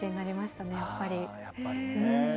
やっぱりね。